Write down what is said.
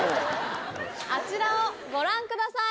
あちらをご覧ください！